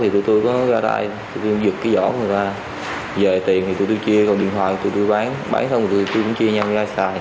trước đó tối ngày một mươi bảy tháng một